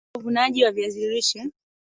Wakati wa uvunaji wa viazi lishe